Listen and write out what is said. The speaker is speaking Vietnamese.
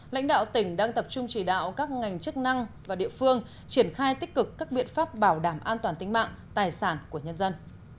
lãnh đạo tỉnh đang tập trung chỉ đạo các ngành chức năng và địa phương triển khai tích cực các biện pháp bảo đảm an toàn tính mạng tài sản của nhân dân